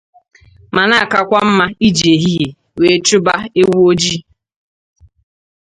ma na-akakwa mma iji ehihie wee chụba ewu ojii